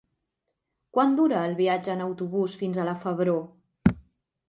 Quant dura el viatge en autobús fins a la Febró?